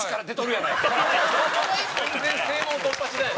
全然正門を突破しない。